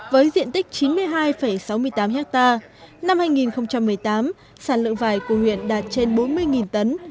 với diện tích chín mươi hai sáu mươi tám ha năm hai nghìn một mươi tám sản lượng vải của huyện đạt trên bốn mươi tấn